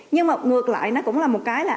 nhưng mà ngược lại nó cũng là một cái là